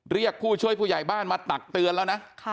เรียกผู้ช่วยผู้ใหญ่บ้านมาตักเตือนแล้วนะ